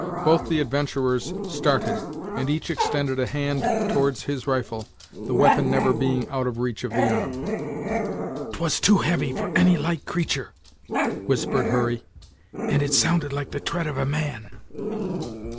Both the adventurers started, and each extended a hand towards his rifle, the weapon never being out of reach of the arm. "'Twas too heavy for any light creatur'," whispered Hurry, "and it sounded like the tread of a man!"